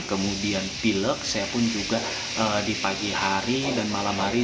kemudian pilek saya pun juga di pagi hari dan malam hari